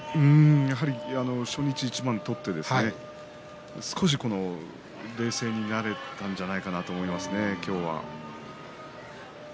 やはり、初日一番取って少し冷静に取れたんじゃないかなと思いますね今日は。